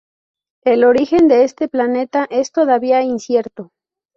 El origen de este planeta es todavía incierto.